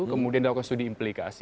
kemudian dilakukan studi implikasi